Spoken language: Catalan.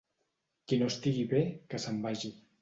Qui no estigui bé, que se'n vagi.